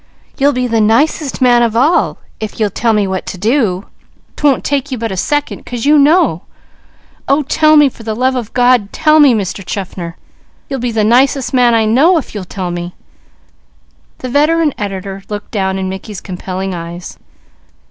You'll be the nicest man of all, if you'll tell me what to do. 'Twon't take you but a second, 'cause you know. Oh tell me, for the love of God tell me, Mr. Chaffner! You'll be the nicest man I know, if you'll tell me." The editor looked down in Mickey's compelling eyes.